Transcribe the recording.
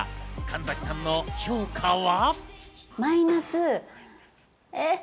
神崎さんの評価は？